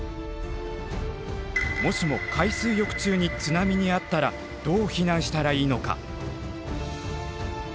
もしも海水浴中に津波にあったらどう避難したらいいのか？